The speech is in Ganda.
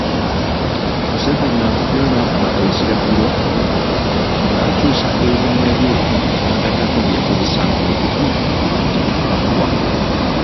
Museveni avuddeyo n'akuba ekiragiro ng'akyusa erinnya lye n'agattako lye yakozesanga mu buto erya Tibuhaburwa.